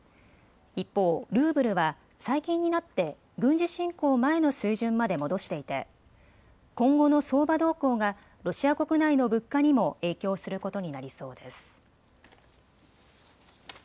一方、ルーブルは最近になって軍事侵攻前の水準まで戻していて今後の相場動向がロシア国内の物価にも影響することになりそうです。